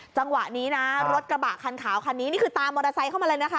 จังหวะนี้นะรถกระบะคันขาวคันนี้นี่คือตามมอเตอร์ไซค์เข้ามาเลยนะคะ